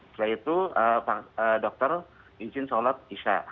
setelah itu dokter izin sholat isya